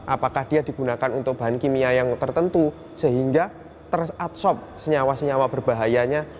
apakah dia digunakan untuk bahan kimia yang tertentu sehingga teradsorb senyawa senyawa berbahayanya